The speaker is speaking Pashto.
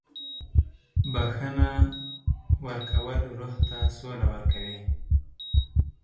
• بخښنه ورکول روح ته سوله ورکوي.